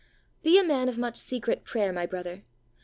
Be a man of much secret prayer, my brother.